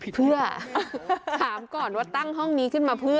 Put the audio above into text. เพื่อถามก่อนว่าตั้งห้องนี้ขึ้นมาเพื่อ